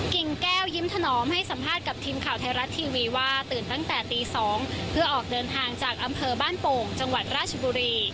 กิ่งแก้วยิ้มถนอมให้สัมภาษณ์กับทีมข่าวไทยรัฐทีวีว่าตื่นตั้งแต่ตี๒เพื่อออกเดินทางจากอำเภอบ้านโป่งจังหวัดราชบุรี